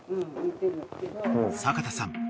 ［阪田さん